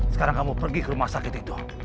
sekarang kamu pergi ke rumah sakit itu